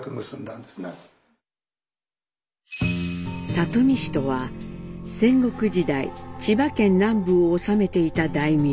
里見氏とは戦国時代千葉県南部を治めていた大名。